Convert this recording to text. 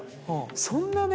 そんなね。